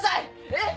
えっ？